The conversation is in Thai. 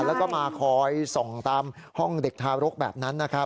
แล้วก็มาคอยส่องตามห้องเด็กทารกแบบนั้นนะครับ